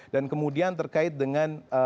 dan kemudian terkait dengan